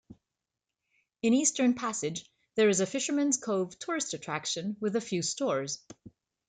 In Eastern Passage, there is a Fishermen's Cove tourist attraction with a few stores.